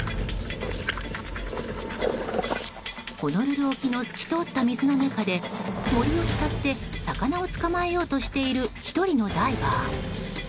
ホノルル沖の透き通った水の中でモリを使って魚を捕まえようとしている１人のダイバー。